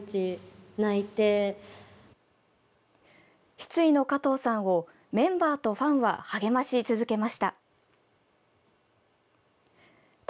失意の加藤さんをメンバーとファンは励まし続けました。